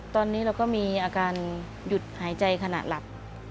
ตอนนี้เราก็มีอาการหยุดหายใจขณะหลับ